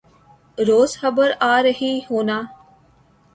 روز خبر آرہی ہونا